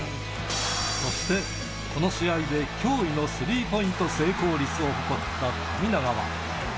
そして、この試合で驚異のスリーポイント成功率を誇った富永は。